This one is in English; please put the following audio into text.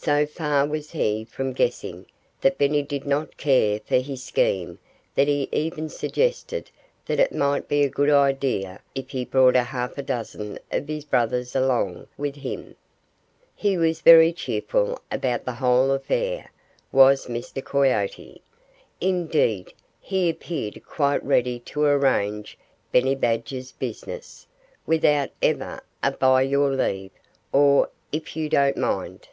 So far was he from guessing that Benny did not care for his scheme that he even suggested that it might be a good idea if he brought a half dozen of his brothers along with him. He was very cheerful about the whole affair was Mr. Coyote. Indeed, he appeared quite ready to arrange Benny Badger's business, without ever a "By your leave," or "If you don't mind."